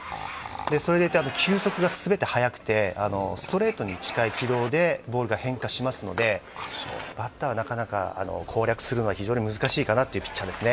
それでいて球速が全て速くて、ストレートに近い軌道でボールが変化しますので、バッターはなかなか攻略するのは非常に難しいかなというピッチャーですね。